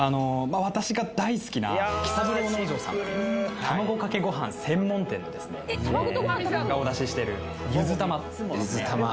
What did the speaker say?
私が大好きな喜三郎農場さんっていう卵かけごはん専門店でですねがお出ししてるゆずたまですゆずたま